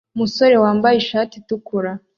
Umusore wambaye ishati itukura